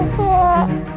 enggak mau pak